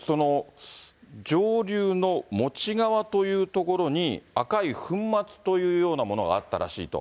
上流のもち川という所に、赤い粉末というようなものがあったらしいと。